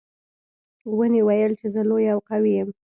ونې ویل چې زه لویه او قوي یم.